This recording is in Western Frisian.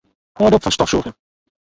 Hâld op fan stofsûgjen.